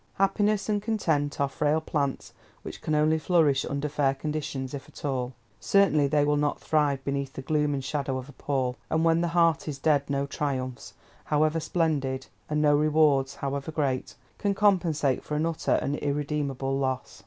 Happiness and content are frail plants which can only flourish under fair conditions if at all. Certainly they will not thrive beneath the gloom and shadow of a pall, and when the heart is dead no triumphs, however splendid, and no rewards, however great, can compensate for an utter and irredeemable loss.